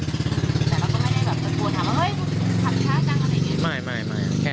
แต่เราก็ไม่ได้แบบกลัวถามว่าเฮ้ยขับช้าจังอะไรไง